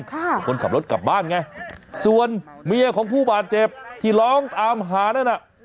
คนขับรถกลับบ้านไงส่วนเมียของผู้บาดเจ็บที่ร้องตามหานั่นน่ะ